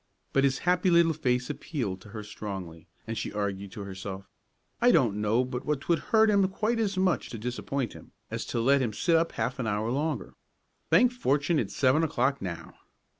But his happy little face appealed to her strongly, and she argued to herself, "I don't know but what 'twould hurt him quite as much to disappoint him, as to let him sit up half an hour longer. Thank fortune, it's seven o'clock now!"